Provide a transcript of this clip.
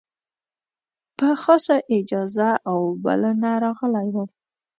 په خاصه اجازه او بلنه راغلی وم.